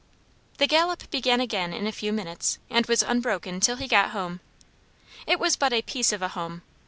The gallop began again in a few minutes, and was unbroken till he got home. It was but a piece of a home.